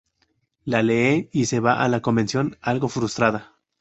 La lee y se va a la convención algo frustrada.